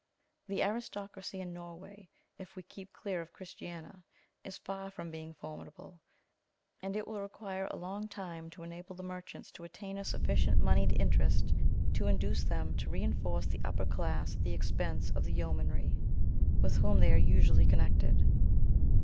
The aristocracy in Norway, if we keep clear of Christiania, is far from being formidable; and it will require a long time to enable the merchants to attain a sufficient moneyed interest to induce them to reinforce the upper class at the expense of the yeomanry, with whom they are usually connected.